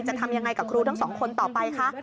จะทำยังไงกับครูทั้งสองคนต่อไปคะ